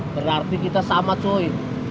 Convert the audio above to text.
berarti kita sama cuy